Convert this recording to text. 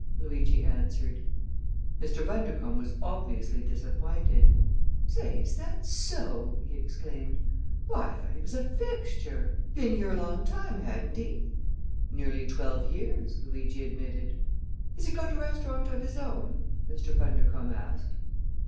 Luigi answered. Mr. Bundercombe was obviously disappointed. "Say, is that so!" he exclaimed, "Why, I thought he was a fixture! Been here a long time, had'nt he?" "Nearly twelve years," Luigi admitted. "Has he got a restaurant of his own?" Mr. Bundercombe asked.